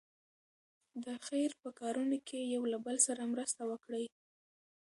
د خیر په کارونو کې یو له بل سره مرسته وکړئ.